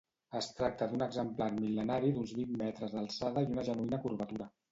Es tracta d'un exemplar mil·lenari d'uns vint metres d'alçada i una genuïna curvatura.